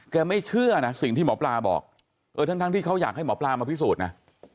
ไม่เชื่อนะสิ่งที่หมอปลาบอกเออทั้งที่เขาอยากให้หมอปลามาพิสูจน์นะ